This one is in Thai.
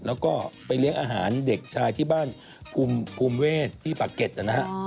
แล้วก็ไปเลี้ยงอาหารเด็กชายที่บ้านภูมิเวศที่ปากเก็ตนะฮะ